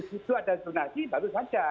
ketua dan zonasi baru sadar